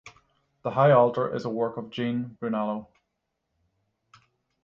The high altar is a work of Jean Brunello.